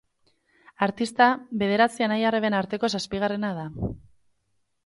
Artista bederatzi anai-arreben arteko zazpigarrena da.